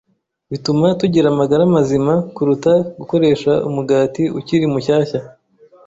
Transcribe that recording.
bituma tugira amagara mazima kuruta gukoresha umugati ukiri mushyashya.